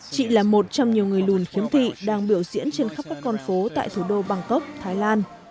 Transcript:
chị là một trong nhiều người lùn khiếm thị đang biểu diễn trên khắp các con phố tại thủ đô bangkok thái lan